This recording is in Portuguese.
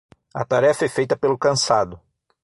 A tarefa é feita pelo cansado.